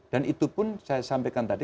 dan itu pun saya sampaikan tadi